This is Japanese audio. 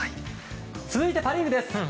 続いて、パ・リーグです。